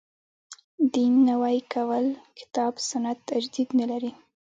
دین نوی کول کتاب سنت تجدید نه لري.